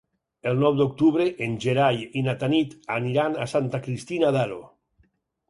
El nou d'octubre en Gerai i na Tanit aniran a Santa Cristina d'Aro.